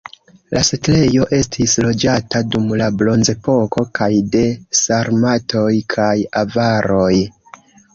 La setlejo estis loĝata dum la bronzepoko kaj de sarmatoj kaj avaroj.